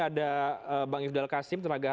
ada bang ifdal kasim tenaga